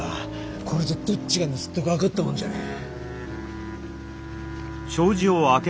これじゃどっちが盗人か分かったもんじゃねえ。